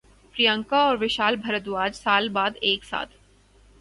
پریانکا اور وشال بھردواج سال بعد ایک ساتھ